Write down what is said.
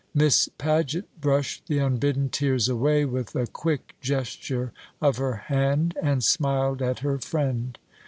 Miss Paget brushed the unbidden tears away with a quick gesture of her hand, and smiled at her friend.